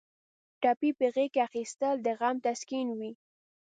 ټپي په غېږ کې اخیستل د غم تسکین وي.